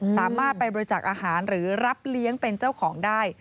สามารถไปบริจาคอาหารหรือรับเลี้ยงเป็นเจ้าของได้